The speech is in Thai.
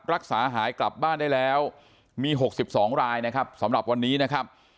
รักษาหายกลับบ้านได้แล้วมี๖๒รายนะครับสำหรับวันนี้นะครับ